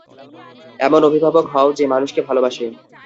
এমন অভিভাবক হও যে মানুষকে ভালোবাসে।